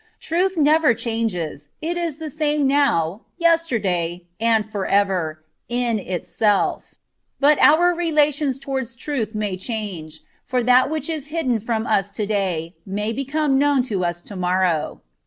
Truth never changes; it is the same now, yesterday, and forever, in itself; but our relations towards truth may change, for that which is hidden from us today may become known to us tomorrow.